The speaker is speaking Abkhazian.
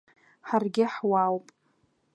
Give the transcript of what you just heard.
Ҳаргьы ҳуаауп.